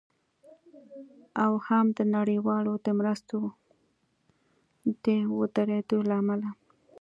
او هم د نړیوالو د مرستو د ودریدو له امله